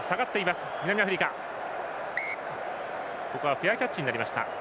フェアキャッチになりました。